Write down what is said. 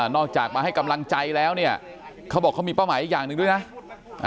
อกจากมาให้กำลังใจแล้วเนี่ยเขาบอกเขามีเป้าหมายอีกอย่างหนึ่งด้วยนะ